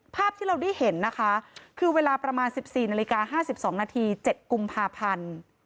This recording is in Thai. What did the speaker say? ภาพที่เราได้เห็นนะคะคือเวลาประมาณ๑๔นาฬิกา๕๒นาที๗กุมภาพันธ์